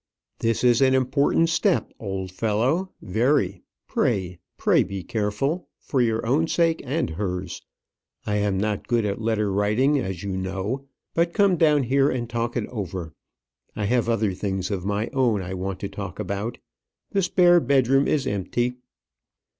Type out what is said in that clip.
"This is an important step, old fellow; very: pray pray be careful; for your own sake and hers. I am not good at letter writing, as you know; but come down here and talk it over. I have other things of my own I want to talk about. The spare bedroom is empty."